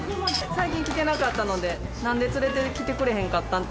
最近来てなかったので、なんで連れてきてくれへんかったん？